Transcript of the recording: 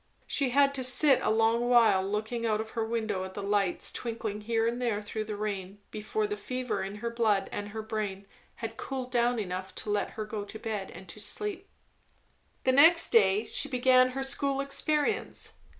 She had to sit a long while looking out of her window at the lights twinkling here and there through the rain, before the fever in her blood and her brain had cooled down enough to let her go to bed and to sleep. The next day she began her school experience.